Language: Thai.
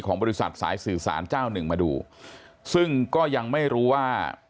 บริษัทสายสื่อสารเจ้าหนึ่งมาดูซึ่งก็ยังไม่รู้ว่า